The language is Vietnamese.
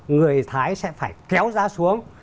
người thái sẽ phải kéo giá xuống